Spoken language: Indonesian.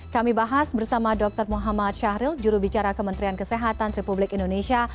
kami bahas bersama dr muhammad syahril jurubicara kementerian kesehatan republik indonesia